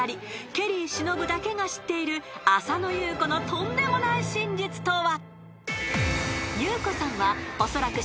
［ケリー忍だけが知っている浅野ゆう子のとんでもない真実とは？］